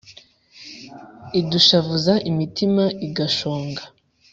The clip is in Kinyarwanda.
Idushavuza imitima igashonga